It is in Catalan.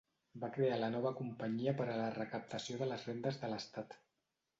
Va crear la Nova Companyia per a la recaptació de les rendes de l'Estat.